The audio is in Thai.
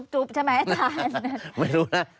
จุ๊บใช่ไหมอาจารย์